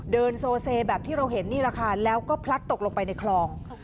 เดินโซเซแบบที่เราเห็นนี่แหละค่ะแล้วก็พลัดตกลงไปในคลอง